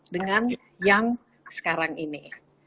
dengan yang sekarang ini